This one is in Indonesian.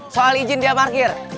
soal izin dia parkir